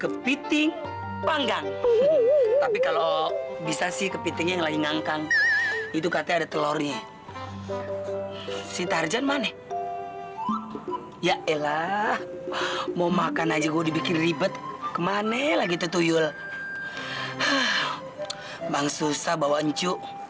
kepiting panggang tapi kalau bisa sih kepiting yang lagi ngangkang itu katanya ada telor nih sita arjan maneh ya elah mau makan aja gue dibikin ribet kemane lagi tutuyul bang susah bawa njuk